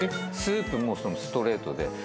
スープもストレートで。